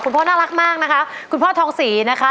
พ่อน่ารักมากนะคะคุณพ่อทองศรีนะคะ